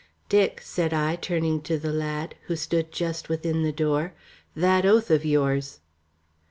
"Dick," said I, turning to the lad, who stood just within the door, "that oath of yours."